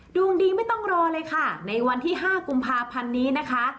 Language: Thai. ดวงดีไม่ต้องรอเลยค่ะในวันที่๕กุมภาพันธ์นี้นะคะ